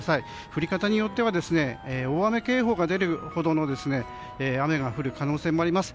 降り方によっては大雨警報が出るほどの雨が降る可能性もあります。